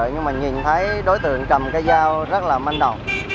nhưng mà nhìn thấy đối tượng cầm cái dao rất là manh đỏ